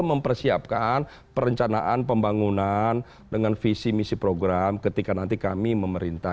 mempersiapkan perencanaan pembangunan dengan visi misi program ketika nanti kami memerintah